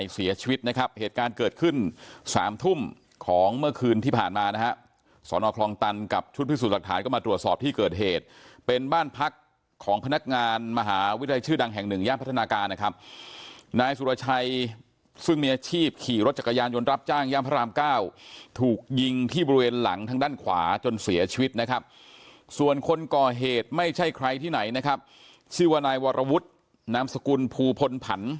เสียชีวิตนะครับเหตุการณ์เกิดขึ้นสามทุ่มของเมื่อคืนที่ผ่านมานะฮะสอนอคลองตันกับชุดพิสูจน์ดักฐานก็มาตรวจสอบที่เกิดเหตุเป็นบ้านพักของพนักงานมหาวิทยาลัยชื่อดังแห่งหนึ่งย่างพัฒนาการนะครับนายสุรชัยซึ่งมีอาชีพขี่รถจักรยานยนต์รับจ้างย่างพระรามเก้าถูกยิงที่บริเวณหล